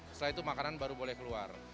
setelah itu makanan baru boleh keluar